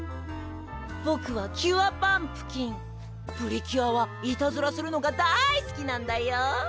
ボクはキュアパンプキンプリキュアはいたずらするのがだいすきなんだよ！